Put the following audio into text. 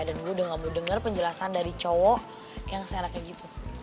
dan gue udah gak mau denger penjelasan dari cowok yang senang kayak gitu